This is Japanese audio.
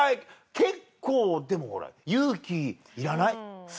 結構でもほら勇気いらない？